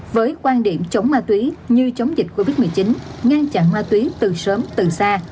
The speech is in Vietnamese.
với quan điểm chống ma túy như chống dịch covid một mươi chín ngăn chặn ma túy từ sớm từ xa